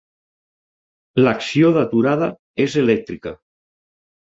L'acció d'aturada és elèctrica.